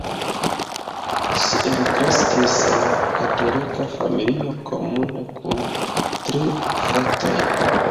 Ŝi elkreskis en katolika familio komune kun tri fratoj.